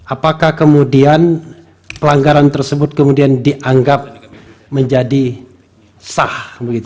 apakah kemudian pelanggaran tersebut kemudian dianggap menjadi sah